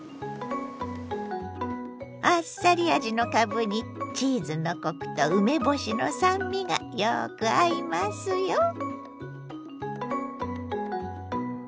あっさり味のかぶにチーズのコクと梅干しの酸味がよく合いますよ。